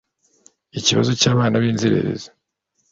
ikibazo cy abana b inzererezi